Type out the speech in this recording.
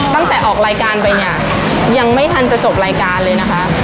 ตั้งแต่ออกรายการไปเนี่ยยังไม่ทันจะจบรายการเลยนะคะ